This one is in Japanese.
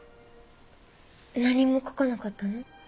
何も書かなかったの？